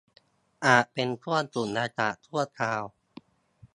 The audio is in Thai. อาจเป็นช่วงสุญญากาศชั่วคราว